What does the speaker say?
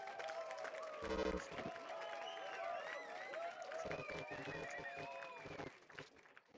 脱失现象亦可能出现于皮肤美白剂作用于肌肤上时。